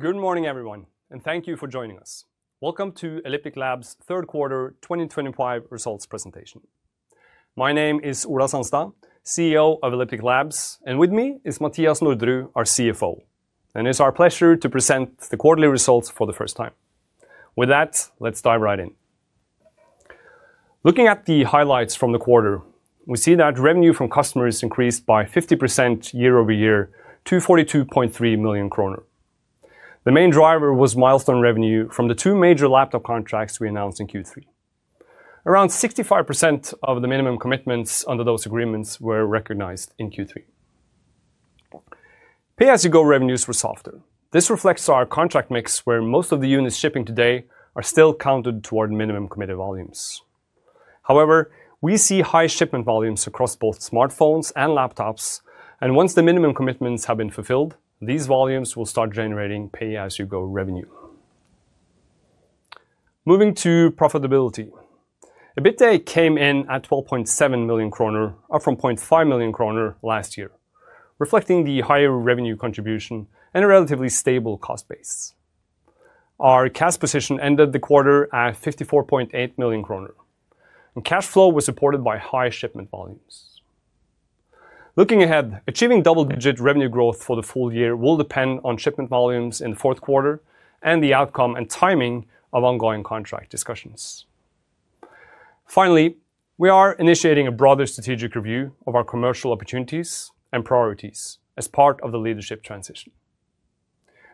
Good morning, everyone, and thank you for joining us. Welcome to Elliptic Labs' third quarter 2025 results presentation. My name is Ola Sandstad, CEO of Elliptic Labs, and with me is Mathias Norderud, our CFO. It is our pleasure to present the quarterly results for the first time. With that, let's dive right in. Looking at the highlights from the quarter, we see that revenue from customers increased by 50% year-over-year to 42.3 million kroner. The main driver was milestone revenue from the two major laptop contracts we announced in Q3. Around 65% of the minimum commitments under those agreements were recognized in Q3. Pay-as-you-go revenues were softer. This reflects our contract mix, where most of the units shipping today are still counted toward minimum committed volumes. However, we see high shipment volumes across both smartphones and laptops, and once the minimum commitments have been fulfilled, these volumes will start generating pay-as-you-go revenue. Moving to profitability, EBITDA came in at 12.7 million kroner, up from 0.5 million kroner last year, reflecting the higher revenue contribution and a relatively stable cost base. Our cash position ended the quarter at 54.8 million kroner, and cash flow was supported by high shipment volumes. Looking ahead, achieving double-digit revenue growth for the full year will depend on shipment volumes in the fourth quarter and the outcome and timing of ongoing contract discussions. Finally, we are initiating a broader strategic review of our commercial opportunities and priorities as part of the leadership transition.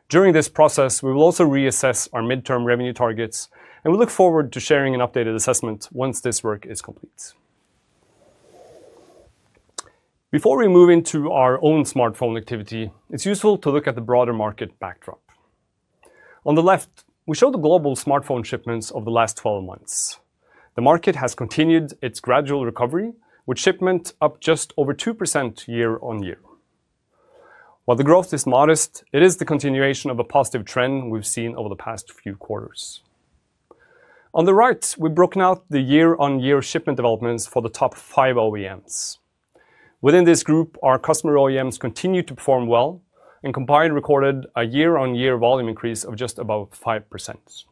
During this process, we will also reassess our midterm revenue targets, and we look forward to sharing an updated assessment once this work is complete. Before we move into our own smartphone activity, it's useful to look at the broader market backdrop. On the left, we show the global smartphone shipments of the last 12 months. The market has continued its gradual recovery, with shipment up just over 2% year-on-year. While the growth is modest, it is the continuation of a positive trend we've seen over the past few quarters. On the right, we've broken out the year-on-year shipment developments for the top five OEMs. Within this group, our customer OEMs continue to perform well, and combined recorded a year-on-year volume increase of just above 5%.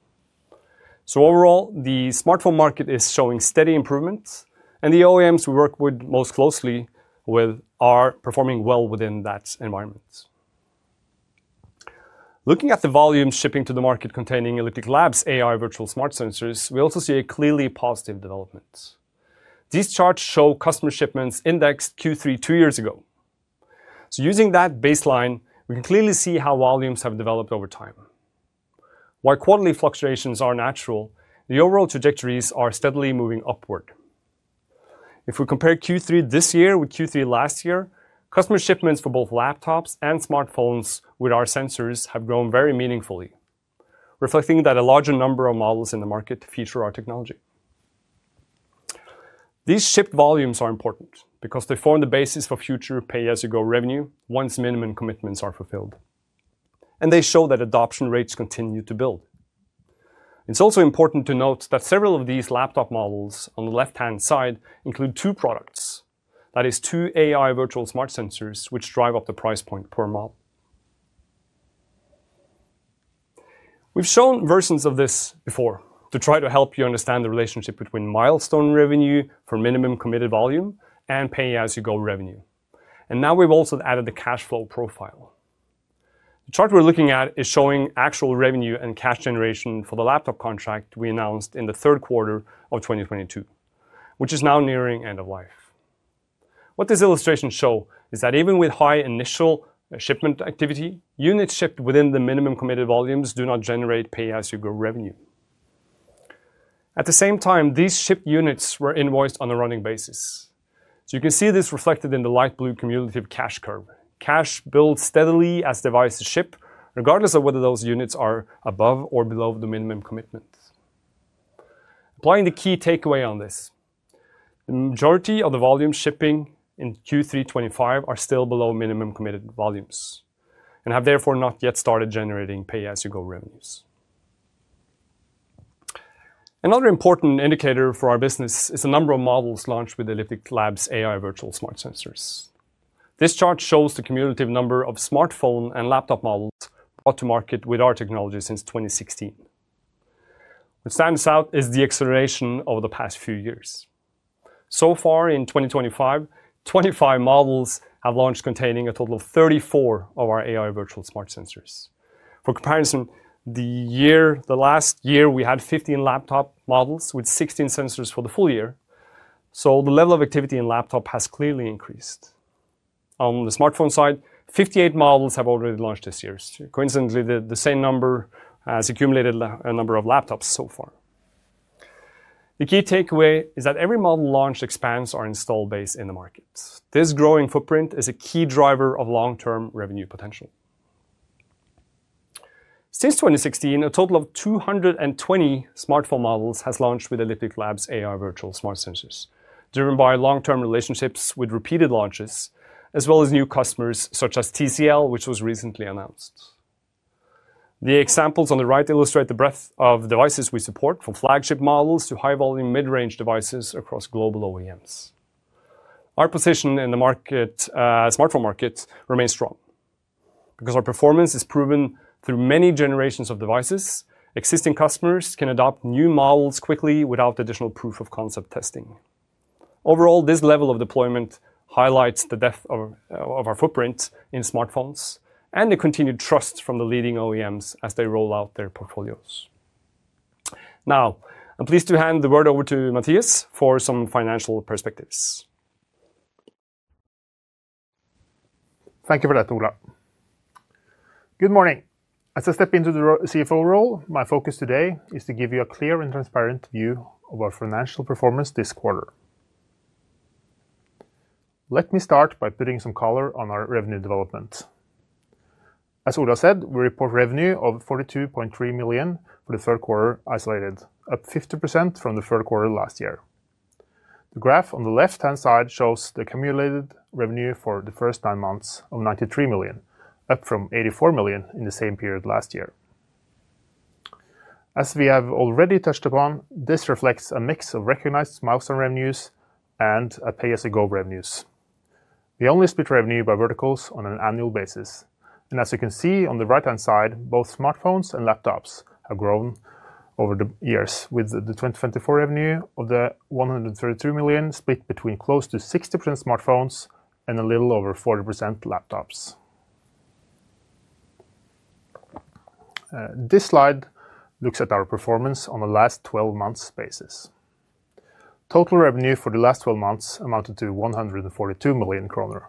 Overall, the smartphone market is showing steady improvements, and the OEMs we work with most closely are performing well within that environment. Looking at the volume shipping to the market containing Elliptic Labs' AI Virtual Smart Sensors, we also see a clearly positive development. These charts show customer shipments indexed Q3 two years ago. Using that baseline, we can clearly see how volumes have developed over time. While quarterly fluctuations are natural, the overall trajectories are steadily moving upward. If we compare Q3 this year with Q3 last year, customer shipments for both laptops and smartphones with our sensors have grown very meaningfully, reflecting that a larger number of models in the market feature our technology. These shipped volumes are important because they form the basis for future pay-as-you-go revenue once minimum commitments are fulfilled, and they show that adoption rates continue to build. It's also important to note that several of these laptop models on the left-hand side include two products. That is, two AI Virtual Smart Sensors which drive up the price point per model. We've shown versions of this before to try to help you understand the relationship between milestone revenue for minimum committed volume and pay-as-you-go revenue. Now we've also added the cash flow profile. The chart we're looking at is showing actual revenue and cash generation for the laptop contract we announced in the third quarter of 2022, which is now nearing end of life. What this illustration shows is that even with high initial shipment activity, units shipped within the minimum committed volumes do not generate pay-as-you-go revenue. At the same time, these shipped units were invoiced on a running basis. You can see this reflected in the light blue cumulative cash curve. Cash builds steadily as devices ship, regardless of whether those units are above or below the minimum commitment. Applying the key takeaway on this, the majority of the volumes shipping in Q3 2025 are still below minimum committed volumes and have therefore not yet started generating pay-as-you-go revenues. Another important indicator for our business is the number of models launched with Elliptic Labs' AI Virtual Smart Sensors. This chart shows the cumulative number of smartphone and laptop models brought to market with our technology since 2016. What stands out is the acceleration over the past few years. So far in 2025, 25 models have launched containing a total of 34 of our AI Virtual Smart Sensors. For comparison, last year, we had 15 laptop models with 16 sensors for the full year. The level of activity in laptop has clearly increased. On the smartphone side, 58 models have already launched this year. Coincidentally, the same number has accumulated a number of laptops so far. The key takeaway is that every model launched expands our install base in the market. This growing footprint is a key driver of long-term revenue potential. Since 2016, a total of 220 smartphone models have launched with Elliptic Labs' AI Virtual Smart Sensors, driven by long-term relationships with repeated launches, as well as new customers such as TCL, which was recently announced. The examples on the right illustrate the breadth of devices we support, from flagship models to high-volume mid-range devices across global OEMs. Our position in the smartphone market remains strong because our performance is proven through many generations of devices. Existing customers can adopt new models quickly without additional proof-of-concept testing. Overall, this level of deployment highlights the depth of our footprint in smartphones and the continued trust from the leading OEMs as they roll out their portfolios. Now, I'm pleased to hand the word over to Mathias for some financial perspectives. Thank you for that, Ola. Good morning. As I step into the CFO role, my focus today is to give you a clear and transparent view of our financial performance this quarter. Let me start by putting some color on our revenue development. As Ola said, we report revenue of 42.3 million for the third quarter isolated, up 50% from the third quarter last year. The graph on the left-hand side shows the cumulated revenue for the first nine months of 93 million, up from 84 million in the same period last year. As we have already touched upon, this reflects a mix of recognized milestone revenues and pay-as-you-go revenues. We only split revenue by verticals on an annual basis. As you can see on the right-hand side, both smartphones and laptops have grown over the years, with the 2024 revenue of 132 million split between close to 60% smartphones and a little over 40% laptops. This slide looks at our performance on a last 12-month basis. Total revenue for the last 12 months amounted to 142 million kroner,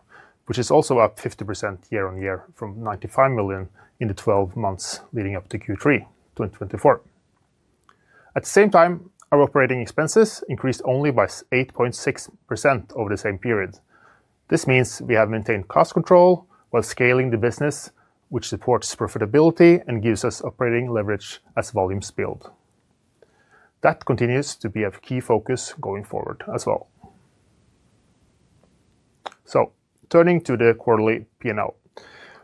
which is also up 50% year-on-year from 95 million in the 12 months leading up to Q3 2024. At the same time, our operating expenses increased only by 8.6% over the same period. This means we have maintained cost control while scaling the business, which supports profitability and gives us operating leverage as volumes build. That continues to be a key focus going forward as well. Turning to the quarterly P&L,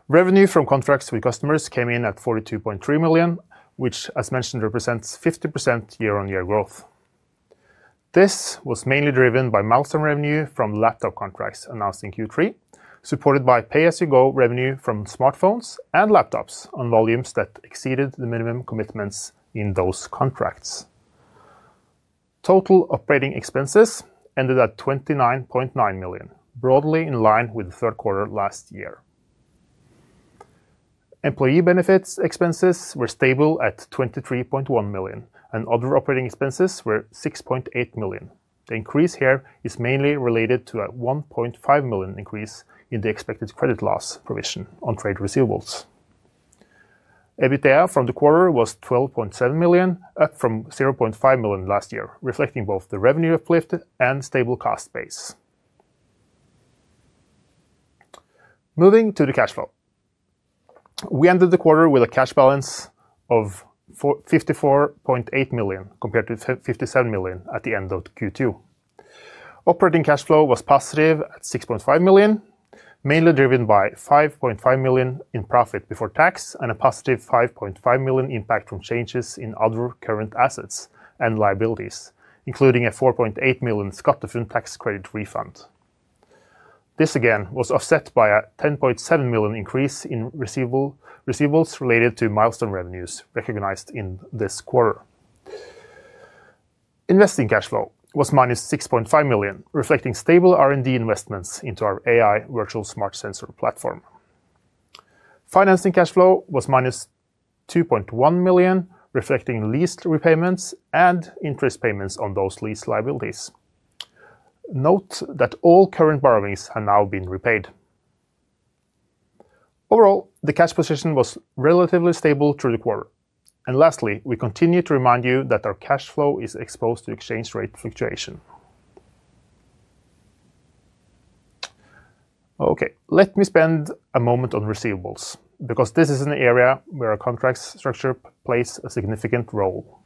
revenue from contracts with customers came in at 42.3 million, which, as mentioned, represents 50% year-on-year growth. This was mainly driven by milestone revenue from laptop contracts announced in Q3, supported by pay-as-you-go revenue from smartphones and laptops on volumes that exceeded the minimum commitments in those contracts. Total operating expenses ended at 29.9 million, broadly in line with the third quarter last year. Employee benefits expenses were stable at 23.1 million, and other operating expenses were 6.8 million. The increase here is mainly related to a 1.5 million increase in the expected credit loss provision on trade receivables. EBITDA from the quarter was 12.7 million, up from 0.5 million last year, reflecting both the revenue uplift and stable cost base. Moving to the cash flow, we ended the quarter with a cash balance of 54.8 million compared to 57 million at the end of Q2. Operating cash flow was positive at 6.5 million, mainly driven by 5.5 million in profit before tax and a +5.5 million impact from changes in other current assets and liabilities, including a 4.8 million Scotland Tax Credit refund. This, again, was offset by a 10.7 million increase in receivables related to milestone revenues recognized in this quarter. Investing cash flow was -6.5 million, reflecting stable R&D investments into our AI Virtual Smart Sensor Platform. Financing cash flow was -2.1 million, reflecting lease repayments and interest payments on those lease liabilities. Note that all current borrowings have now been repaid. Overall, the cash position was relatively stable through the quarter. Lastly, we continue to remind you that our cash flow is exposed to exchange rate fluctuation. Okay, let me spend a moment on receivables because this is an area where our contract structure plays a significant role.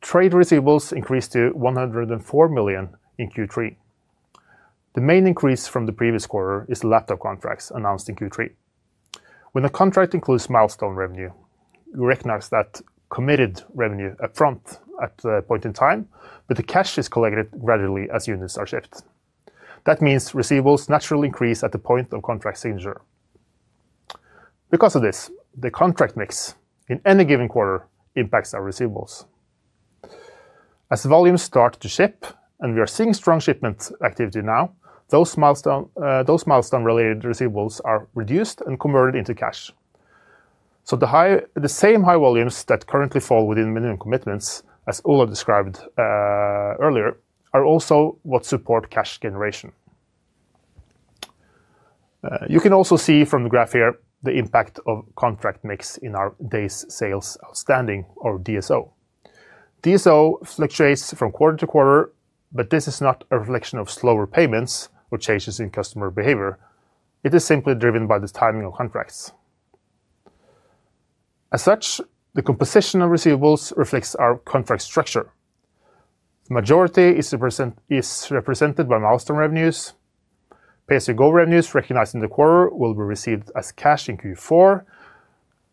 Trade receivables increased to 104 million in Q3. The main increase from the previous quarter is the laptop contracts announced in Q3. When a contract includes milestone revenue, we recognize that committed revenue upfront at a point in time, but the cash is collected gradually as units are shipped. That means receivables naturally increase at the point of contract signature. Because of this, the contract mix in any given quarter impacts our receivables. As volumes start to ship and we are seeing strong shipment activity now, those milestone-related receivables are reduced and converted into cash. The same high volumes that currently fall within minimum commitments, as Ola described earlier, are also what support cash generation. You can also see from the graph here the impact of contract mix in our day's sales outstanding, or DSO. DSO fluctuates from quarter-to-quarter, but this is not a reflection of slower payments or changes in customer behavior. It is simply driven by the timing of contracts. As such, the composition of receivables reflects our contract structure. The majority is represented by milestone revenues. Pay-as-you-go revenues recognized in the quarter will be received as cash in Q4,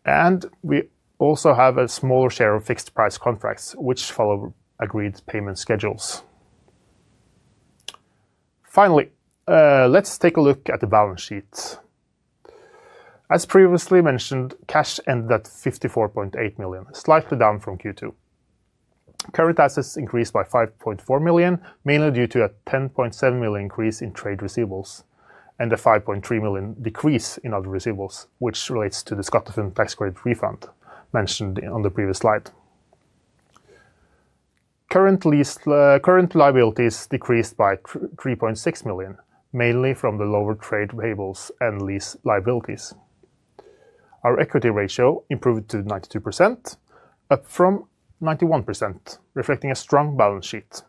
and we also have a smaller share of fixed price contracts, which follow agreed payment schedules. Finally, let's take a look at the balance sheet. As previously mentioned, cash ended at 54.8 million, slightly down from Q2. Current assets increased by 5.4 million, mainly due to a 10.7 million increase in trade receivables and a 5.3 million decrease in other receivables, which relates to the Scotland Tax Credit refund mentioned on the previous slide. Current liabilities decreased by 3.6 million, mainly from the lower trade payables and lease liabilities. Our equity ratio improved to 92%, up from 91%, reflecting a strong balance sheet.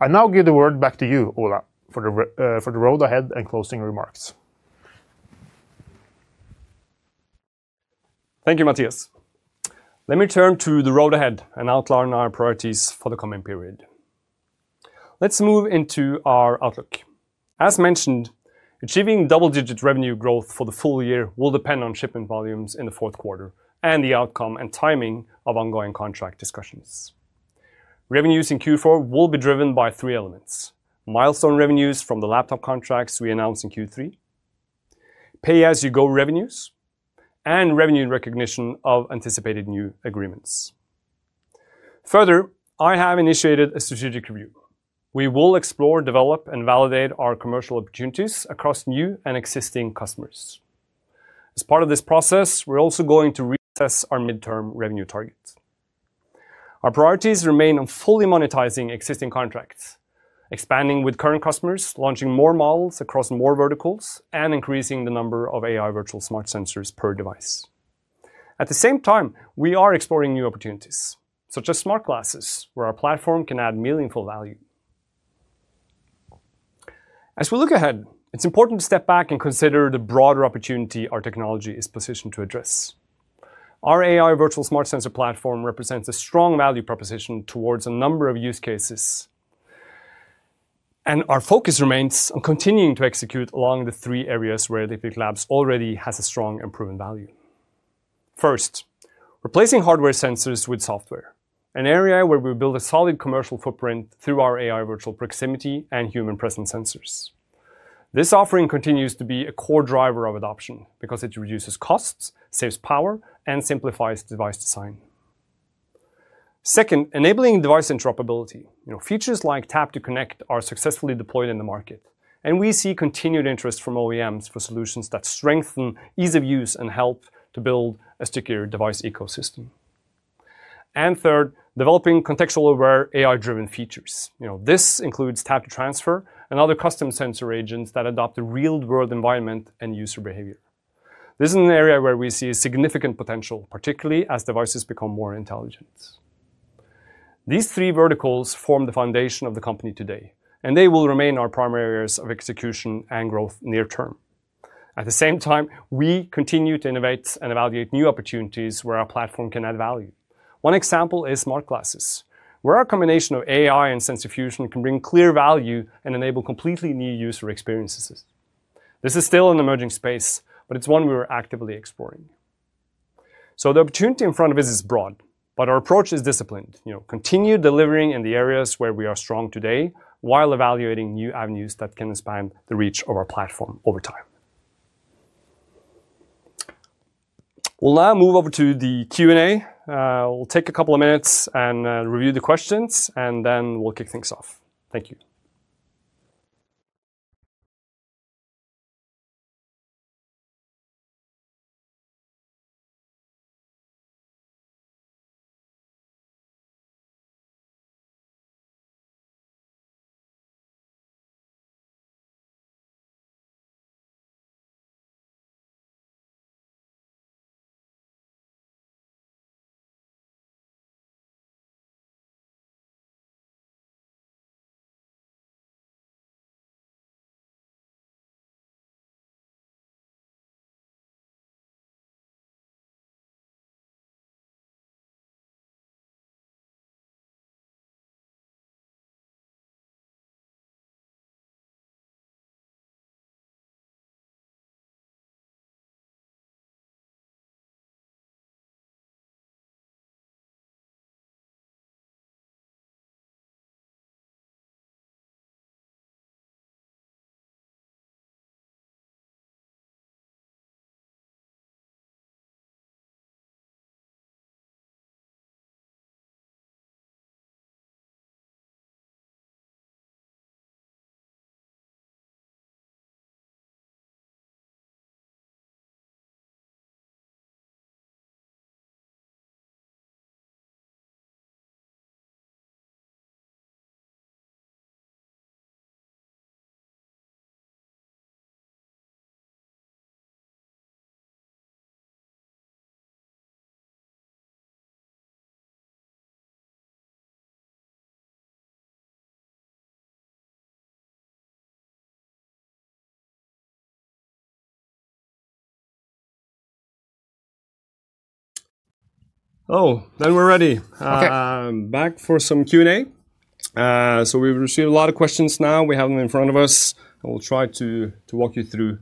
I now give the word back to you, Ola, for the road ahead and closing remarks. Thank you, Mathias. Let me turn to the road ahead and outline our priorities for the coming period. Let's move into our outlook. As mentioned, achieving double-digit revenue growth for the full year will depend on shipment volumes in the fourth quarter and the outcome and timing of ongoing contract discussions. Revenues in Q4 will be driven by three elements: milestone revenues from the laptop contracts we announced in Q3, pay-as-you-go revenues, and revenue recognition of anticipated new agreements. Further, I have initiated a strategic review. We will explore, develop, and validate our commercial opportunities across new and existing customers. As part of this process, we're also going to reassess our midterm revenue target. Our priorities remain on fully monetizing existing contracts, expanding with current customers, launching more models across more verticals, and increasing the number of AI Virtual Smart Sensors per device. At the same time, we are exploring new opportunities, such as smart glasses, where our platform can add meaningful value. As we look ahead, it's important to step back and consider the broader opportunity our technology is positioned to address. Our AI Virtual Smart Sensor Platform represents a strong value proposition towards a number of use cases, and our focus remains on continuing to execute along the three areas where Elliptic Labs already has a strong and proven value. First, replacing hardware sensors with software, an area where we build a solid commercial footprint through our AI Virtual Proximity and Human Presence Sensors. This offering continues to be a core driver of adoption because it reduces costs, saves power, and simplifies device design. Second, enabling device interoperability. Features like Tap-to-Connect are successfully deployed in the market, and we see continued interest from OEMs for solutions that strengthen ease of use and help to build a secure device ecosystem. Third, developing contextual-aware AI-driven features. This includes Tap-to-Transfer and other Custom Sensor Agents that adopt a real-world environment and user behavior. This is an area where we see significant potential, particularly as devices become more intelligent. These three verticals form the foundation of the company today, and they will remain our primary areas of execution and growth near term. At the same time, we continue to innovate and evaluate new opportunities where our platform can add value. One example is smart glasses, where our combination of AI and sensor fusion can bring clear value and enable completely new user experiences. This is still an emerging space, but it's one we're actively exploring. The opportunity in front of us is broad, but our approach is disciplined. Continue delivering in the areas where we are strong today while evaluating new avenues that can expand the reach of our platform over time. We'll now move over to the Q&A. We'll take a couple of minutes and review the questions, and then we'll kick things off. Thank you. Oh, then we're ready. Okay. Back for some Q&A. We have received a lot of questions now. We have them in front of us. I will try to walk you through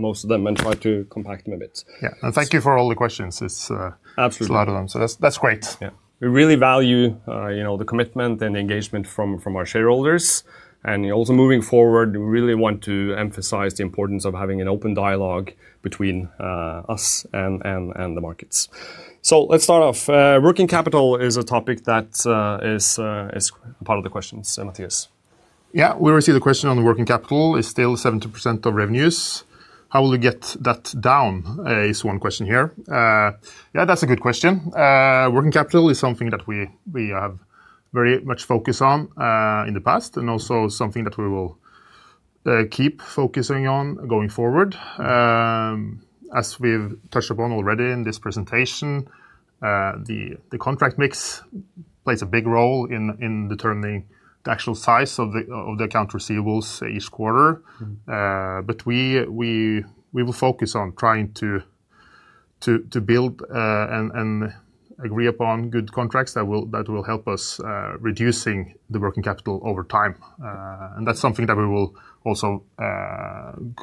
most of them and try to compact them a bit. Yeah, thank you for all the questions. Absolutely. It's a lot of them, so that's great. Yeah. We really value the commitment and the engagement from our shareholders. Also, moving forward, we really want to emphasize the importance of having an open dialogue between us and the markets. Let's start off. Working capital is a topic that is part of the questions, Mathias. Yeah, we received a question on the working capital. It's still 70% of revenues. How will you get that down? Is one question here. Yeah, that's a good question. Working capital is something that we have very much focused on in the past and also something that we will keep focusing on going forward. As we've touched upon already in this presentation, the contract mix plays a big role in determining the actual size of the account receivables each quarter. We will focus on trying to build and agree upon good contracts that will help us reduce the working capital over time. That's something that we will also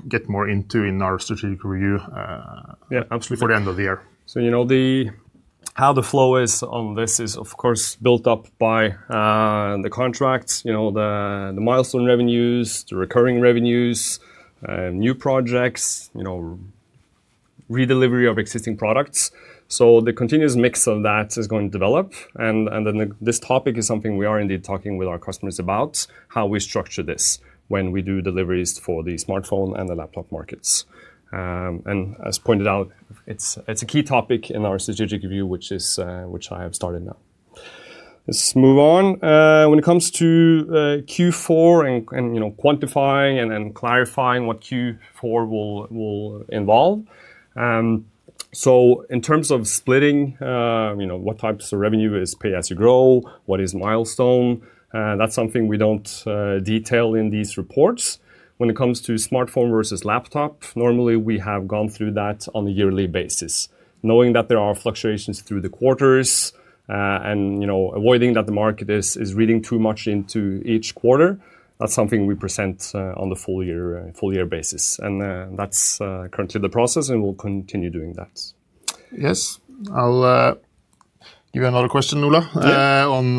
get more into in our strategic review. Yeah, absolutely. For the end of the year. How the flow is on this is, of course, built up by the contracts, the milestone revenues, the recurring revenues, new projects, redelivery of existing products. The continuous mix of that is going to develop. This topic is something we are indeed talking with our customers about, how we structure this when we do deliveries for the smartphone and the laptop markets. As pointed out, it's a key topic in our strategic review, which I have started now. Let's move on. When it comes to Q4 and quantifying and clarifying what Q4 will involve. In terms of splitting, what types of revenue is pay-as-you-grow? What is milestone? That's something we don't detail in these reports. When it comes to smartphone versus laptop, normally we have gone through that on a yearly basis. Knowing that there are fluctuations through the quarters and avoiding that the market is reading too much into each quarter, that's something we present on the full-year basis. That's currently the process, and we'll continue doing that. Yes, I'll give you another question, Ola, on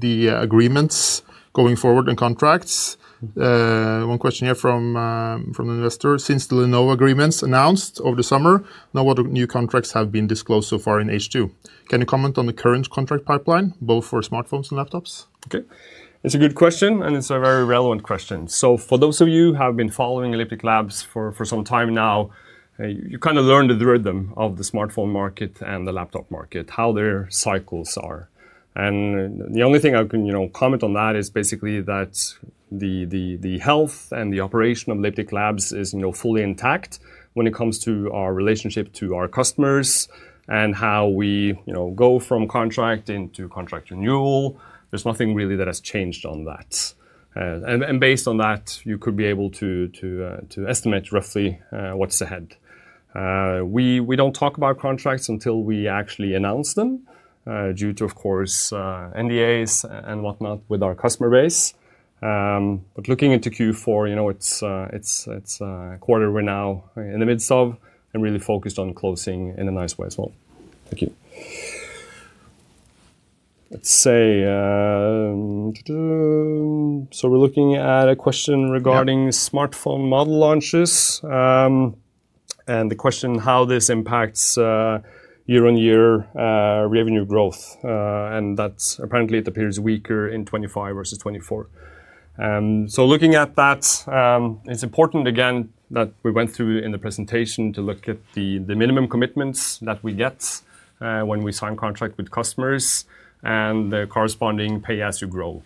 the agreements going forward and contracts. One question here from an investor. Since the Lenovo agreements announced over the summer, no other new contracts have been disclosed so far in H2. Can you comment on the current contract pipeline, both for smartphones and laptops? Okay, it's a good question, and it's a very relevant question. For those of you who have been following Elliptic Labs for some time now, you kind of learned the rhythm of the smartphone market and the laptop market, how their cycles are. The only thing I can comment on that is basically that the health and the operation of Elliptic Labs is fully intact when it comes to our relationship to our customers and how we go from contract into contract renewal. There's nothing really that has changed on that. Based on that, you could be able to estimate roughly what's ahead. We don't talk about contracts until we actually announce them due to, of course, NDAs and whatnot with our customer base. Looking into Q4, it's a quarter we're now in the midst of and really focused on closing in a nice way as well. Thank you. Let's say, so we're looking at a question regarding smartphone model launches and the question how this impacts year-on-year revenue growth. That apparently it appears weaker in 2025 versus 2024. Looking at that, it's important again that we went through in the presentation to look at the minimum commitments that we get when we sign contract with customers and the corresponding pay-as-you-grow.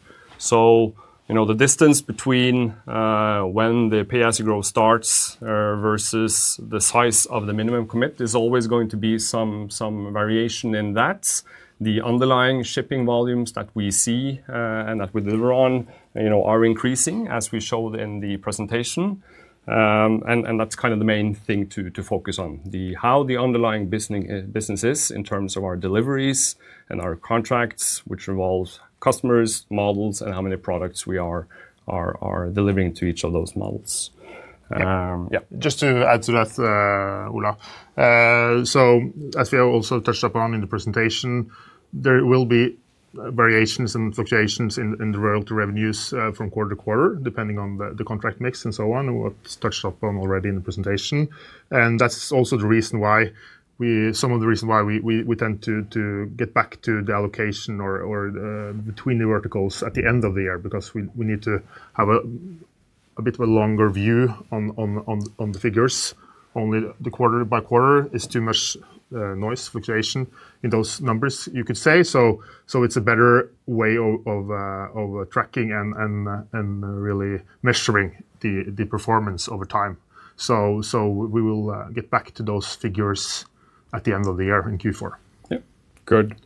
The distance between when the pay-as-you-grow starts versus the size of the minimum commit is always going to be some variation in that. The underlying shipping volumes that we see and that we deliver on are increasing as we showed in the presentation. That's kind of the main thing to focus on, how the underlying business is in terms of our deliveries and our contracts, which involves customers, models, and how many products we are delivering to each of those models. Yeah. Just to add to that, Ola, as we also touched upon in the presentation, there will be variations and fluctuations in the royalty revenues from quarter-to-quarter depending on the contract mix and what was touched upon already in the presentation. That is also the reason why we, some of the reason why we tend to get back to the allocation or between the verticals at the end of the year because we need to have a bit of a longer view on the figures. Only the quarter-by-quarter is too much noise, fluctuation in those numbers, you could say. It is a better way of tracking and really measuring the performance over time. We will get back to those figures at the end of the year in Q4. Yeah, good.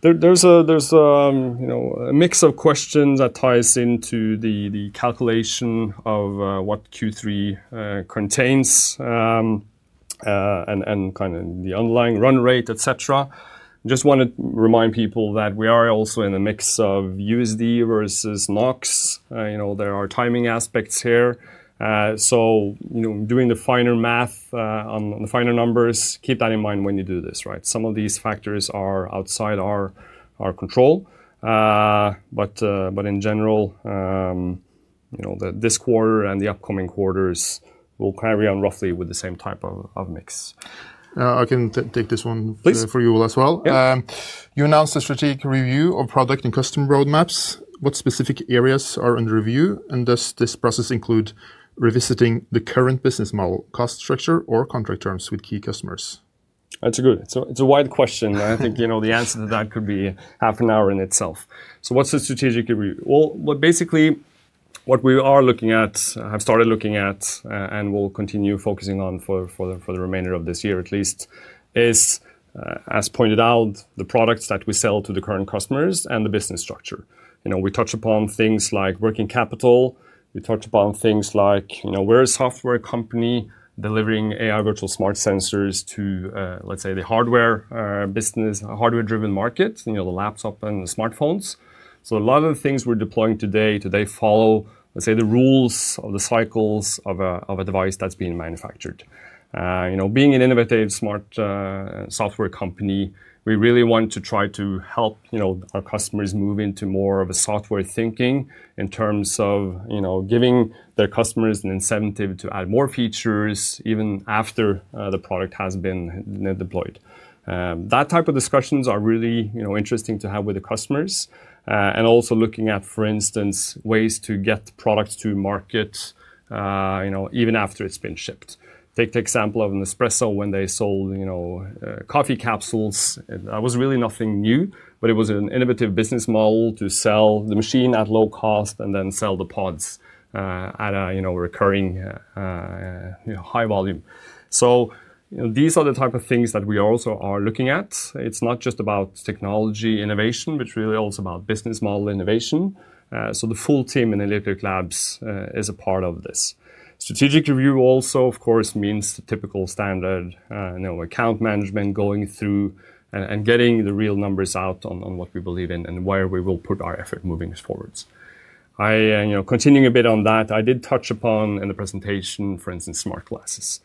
There's a mix of questions that ties into the calculation of what Q3 contains and kind of the underlying run rate, et cetera. Just want to remind people that we are also in a mix of USD versus NOK. There are timing aspects here. Doing the finer math on the finer numbers, keep that in mind when you do this, right? Some of these factors are outside our control. In general, this quarter and the upcoming quarters will carry on roughly with the same type of mix. I can take this one for you as well. Please. You announced a strategic review of product and customer roadmaps. What specific areas are under review? Does this process include revisiting the current business model, cost structure, or contract terms with key customers? That's a good, it's a wide question. I think the answer to that could be half an hour in itself. What's the strategic review? Basically, what we are looking at, have started looking at, and will continue focusing on for the remainder of this year at least, is, as pointed out, the products that we sell to the current customers and the business structure. We touch upon things like working capital. We touch upon things like where is a software company delivering AI Virtual Smart Sensors to, let's say, the hardware business, hardware-driven market, the laptop and the smartphones. A lot of the things we're deploying today, today follow, let's say, the rules of the cycles of a device that's being manufactured. Being an innovative smart software company, we really want to try to help our customers move into more of a software thinking in terms of giving their customers an incentive to add more features even after the product has been deployed. That type of discussions are really interesting to have with the customers. Also looking at, for instance, ways to get products to market even after it's been shipped. Take the example of Nespresso when they sold coffee capsules. That was really nothing new, but it was an innovative business model to sell the machine at low cost and then sell the pods at a recurring high volume. These are the type of things that we also are looking at. It's not just about technology innovation, but really also about business model innovation. The full team in Elliptic Labs is a part of this. Strategic review also, of course, means the typical standard account management going through and getting the real numbers out on what we believe in and where we will put our effort moving forwards. Continuing a bit on that, I did touch upon in the presentation, for instance, smart glasses.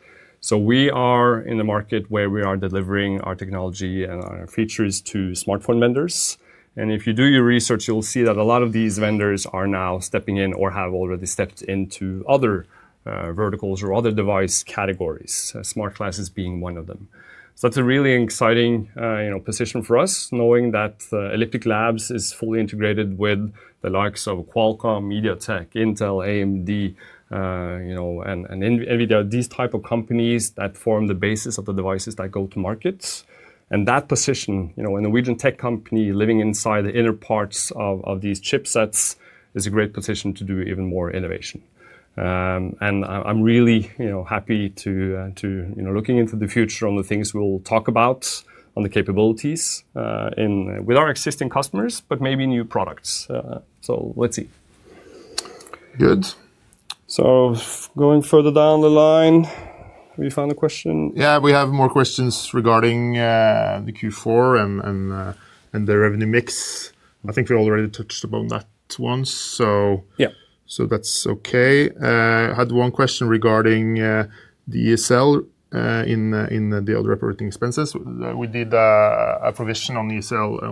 We are in the market where we are delivering our technology and our features to smartphone vendors. If you do your research, you'll see that a lot of these vendors are now stepping in or have already stepped into other verticals or other device categories, smart glasses being one of them. That is a really exciting position for us knowing that Elliptic Labs is fully integrated with the likes of Qualcomm, MediaTek, Intel, AMD, and, these type of companies that form the basis of the devices that go to markets. That position, a Norwegian tech company living inside the inner parts of these chipsets, is a great position to do even more innovation. I'm really happy to look into the future on the things we'll talk about on the capabilities with our existing customers, but maybe new products. Let's see. Good. Going further down the line, have you found a question? Yeah, we have more questions regarding the Q4 and the revenue mix. I think we already touched upon that once, so that's okay. I had one question regarding the ECL in the other operating expenses. We did a provision on ECL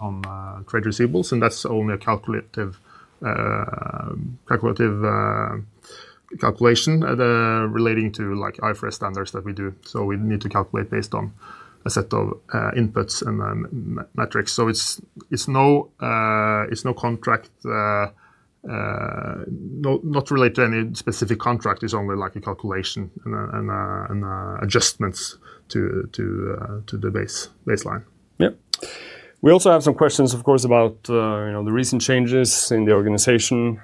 on trade receivables, and that's only a calculative calculation relating to IFRS standards that we do. We need to calculate based on a set of inputs and metrics. It's no contract, not related to any specific contract, it's only like a calculation and adjustments to the baseline. Yeah. We also have some questions, of course, about the recent changes in the organization,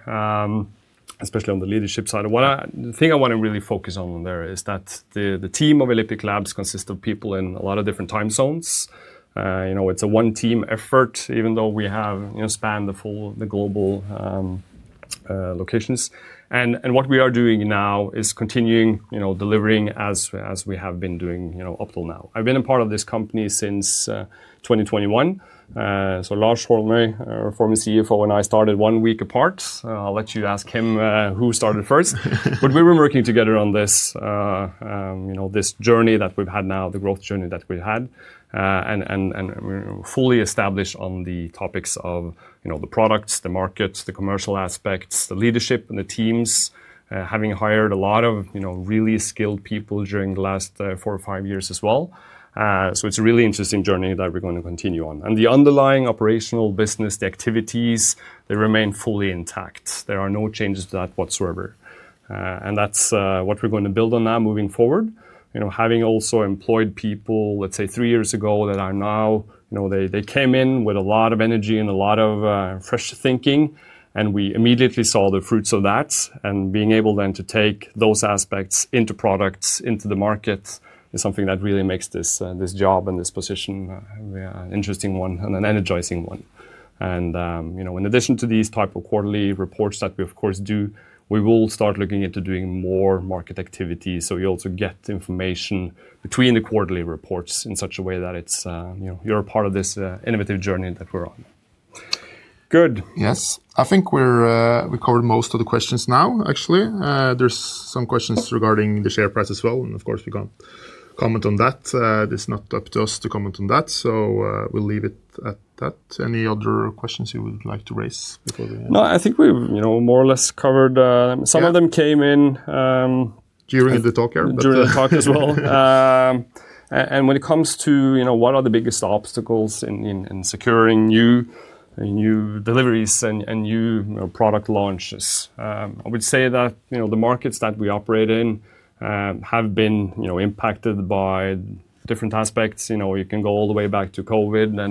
especially on the leadership side. The thing I want to really focus on there is that the team of Elliptic Labs consists of people in a lot of different time zones. It's a one-team effort, even though we have spanned the global locations. What we are doing now is continuing delivering as we have been doing up till now. I've been a part of this company since 2021. Lars Holmøy, our former CFO, and I started one week apart. I'll let you ask him who started first. We've been working together on this journey that we've had now, the growth journey that we've had. We are fully established on the topics of the products, the markets, the commercial aspects, the leadership, and the teams, having hired a lot of really skilled people during the last four or five years as well. It is a really interesting journey that we are going to continue on. The underlying operational business, the activities, they remain fully intact. There are no changes to that whatsoever. That is what we are going to build on now moving forward. Having also employed people, let's say, three years ago that are now, they came in with a lot of energy and a lot of fresh thinking, and we immediately saw the fruits of that. Being able then to take those aspects into products, into the market, is something that really makes this job and this position an interesting one and an energizing one. In addition to these type of quarterly reports that we, of course, do, we will start looking into doing more market activities so we also get information between the quarterly reports in such a way that you're a part of this innovative journey that we're on. Good. Yes. I think we've covered most of the questions now, actually. There's some questions regarding the share price as well, and of course, we can't comment on that. It's not up to us to comment on that, so we'll leave it at that. Any other questions you would like to raise before we end? No, I think we more or less covered some of them came in. During the talk here. During the talk as well. When it comes to what are the biggest obstacles in securing new deliveries and new product launches, I would say that the markets that we operate in have been impacted by different aspects. You can go all the way back to COVID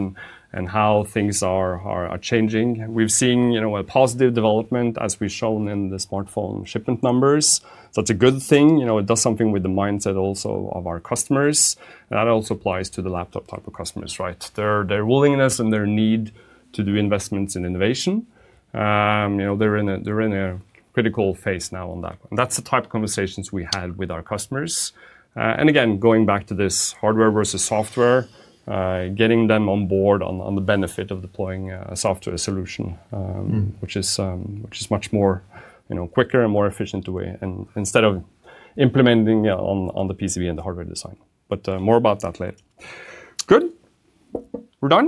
and how things are changing. We've seen a positive development as we've shown in the smartphone shipment numbers. That's a good thing. It does something with the mindset also of our customers. That also applies to the laptop type of customers, right? Their willingness and their need to do investments in innovation. They're in a critical phase now on that. That's the type of conversations we had with our customers. Again, going back to this hardware versus software, getting them on board on the benefit of deploying a software solution, which is much quicker and more efficient instead of implementing on the PCB and the hardware design. More about that later. Good. We're done.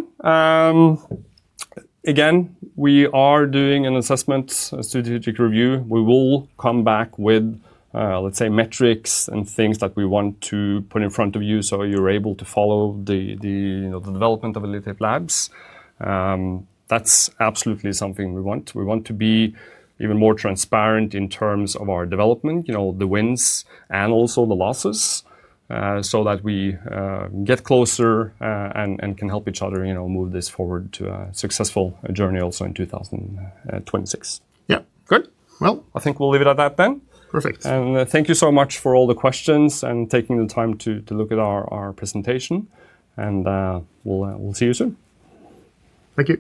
Again, we are doing an assessment, a strategic review. We will come back with, let's say, metrics and things that we want to put in front of you so you're able to follow the development of Elliptic Labs. That's absolutely something we want. We want to be even more transparent in terms of our development, the wins and also the losses, so that we get closer and can help each other move this forward to a successful journey also in 2026. Yeah. Good. I think we'll leave it at that then. Perfect. Thank you so much for all the questions and taking the time to look at our presentation. We will see you soon. Thank you.